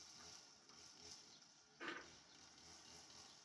Mytologií se inspiroval i Robert Graves.